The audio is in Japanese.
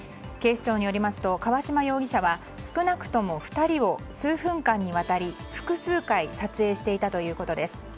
警視庁によりますと河嶌容疑者は少なくとも２人を数分間にわたり複数回撮影していたということです。